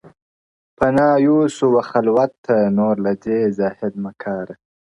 فنا یو سو و خلوت ته نور له دې ذاهد مکاره-